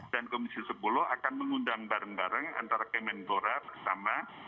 dan komisi sepuluh akan mengundang bareng bareng antara kementerian menpora bersama